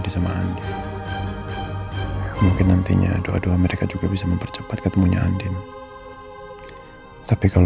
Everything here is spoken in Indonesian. saya gak tega